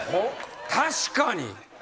確かに。